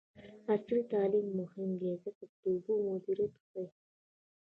عصري تعلیم مهم دی ځکه چې د اوبو مدیریت ښيي.